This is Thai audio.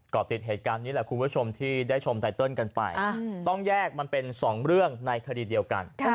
ก็ติดเหตุการณ์นี้แหละคุณผู้ชมที่ได้ชมไตเติลกันไปต้องแยกมันเป็น๒เรื่องในคดีเดียวกัน